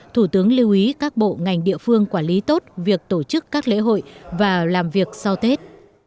thủ tướng lưu ý các bộ ngành địa phương quản lý tốt việc tổ chức các lễ hội và làm việc sau tết